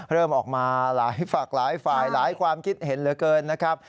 เริ่มออกมาหลายฝากหลายฝ่ายหลายความคิดเห็นเหลือเกินนะครับ